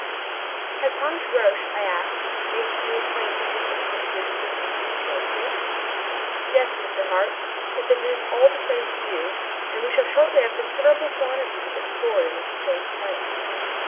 "Has Thomas Roch," I ask, "made you acquainted with the composition of his explosive?" "Yes, Mr. Hart if it is all the same to you and we shall shortly have considerable quantities of it stored in a safe place."